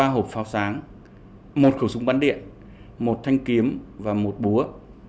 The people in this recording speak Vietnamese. ba hộp pháo sáng một khẩu súng bắn điện một thanh kiếm và một búa